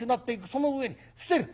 その上に伏せる。